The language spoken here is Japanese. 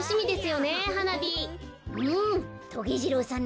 うん。